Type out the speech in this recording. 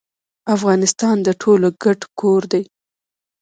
افغانستان د ټولو ګډ کور دی